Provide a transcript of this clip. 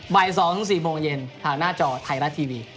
บ่าย๒๔โมงเย็นทางหน้าจอไทยรัฐทีวี